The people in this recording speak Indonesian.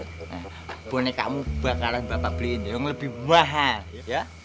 nah bonek kamu bakalan bapak beliin yang lebih mahal ya